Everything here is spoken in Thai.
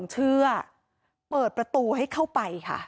มีชายแปลกหน้า๓คนผ่านมาทำทีเป็นช่วยค่างทาง